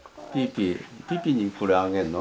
ピーピーにこれあげんの？